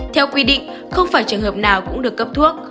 theo quy định không phải trường hợp nào cũng được cấp thuốc